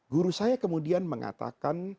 guru saya kemudian mengatakan